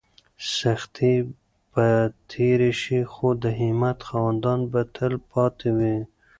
سختۍ به تېرې شي خو د همت خاوندان به تل پاتې وي.